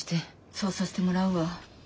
そうさせてもらうわ。